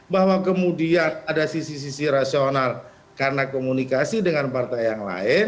bahwa kemudian ada sisi sisi rasional karena komunikasi dengan partai yang lain